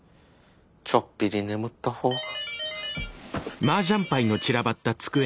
ちょっぴり眠った方が。